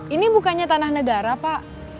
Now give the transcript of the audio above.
ini bukannya tanah negara pak